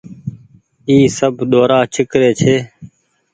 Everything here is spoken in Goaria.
اي سب ڏورآ ڇيڪري ڇي۔